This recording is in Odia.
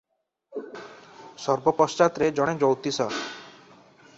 ସର୍ବ ପଶ୍ଚାତ୍ ରେ ଜଣେ ଜ୍ୟୋତିଷ ।